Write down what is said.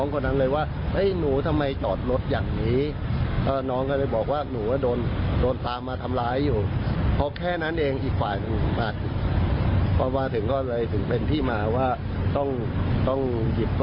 ขอบคุณครับ